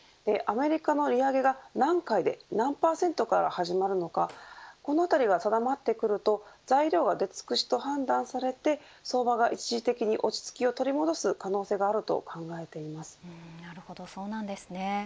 アメリカの利上げが何回で何％から始まるのかこのあたりが定まってくると材料は出尽くしと判断されて相場が一時的に落ち着きを取り戻す可能性があると考えています。